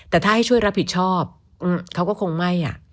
แต่ถ้าให้ช่วยรับผิดชอบเขาก็คงไม่